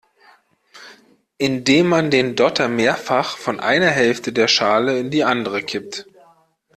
Indem man den Dotter mehrfach von einer Hälfte der Schale in die andere kippt.